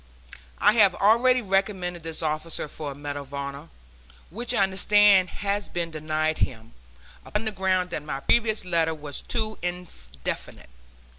I have already recommended this officer for a medal of honor, which I understand has been denied him, upon the ground that my previous letter was too indefinite.